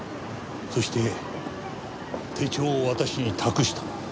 そして手帳を私に託した。